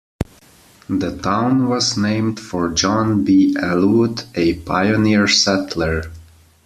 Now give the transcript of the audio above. The town was named for John B. Elwood, a pioneer settler.